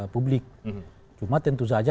publik cuma tentu saja